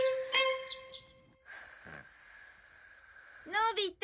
のび太？